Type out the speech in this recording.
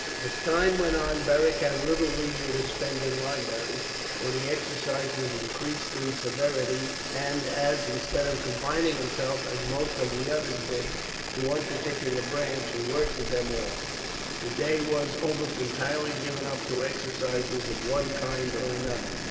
As time went on Beric had little leisure to spend in libraries, for the exercises increased in severity, and as, instead of confining himself, as most of the others did, to one particular branch, he worked at them all, the day was almost entirely given up to exercises of one kind or another.